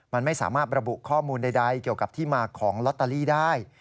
มันไม่สามารถระบุข้อมูลใดเกี่ยวกับที่มาของลอตเตอรี่ได้